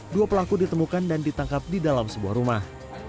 dua pelaku ditemukan dan ditangkap di dalam sebuah rumah